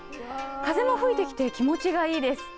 風も吹いてきて気持ちがいいです。